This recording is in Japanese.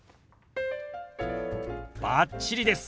バッチリです。